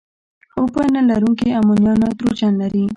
اوبه نه لرونکي امونیا نایتروجن لري.